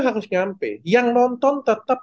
harus nyampe yang nonton tetap